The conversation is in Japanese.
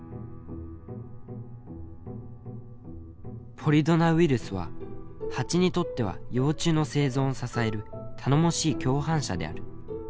「ポリドナウイルスはハチにとっては幼虫の生存を支える頼もしい共犯者である。